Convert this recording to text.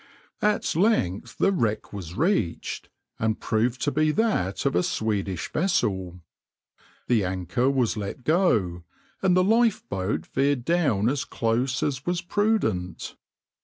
\par At length the wreck was reached, and proved to be that of a Swedish vessel. The anchor was let go, and the lifeboat veered down as close as was prudent.